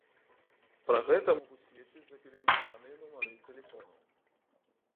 Пра гэта могуць сведчыць запеленгаваныя нумары тэлефонаў.